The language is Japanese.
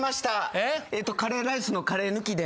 えっとカレーライスのカレー抜きで。